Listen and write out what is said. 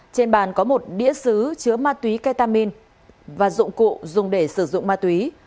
trên bàn có một đĩa xứ chứa ma túy ketamin và dụng cụ dùng để sử dụng ma túy